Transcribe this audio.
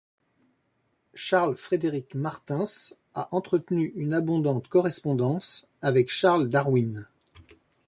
Charles Frédéric Martins a entretenu une abondante correspondance avec Charles Darwin.